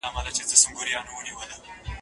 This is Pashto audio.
یوبل ته ګذشت وکړئ.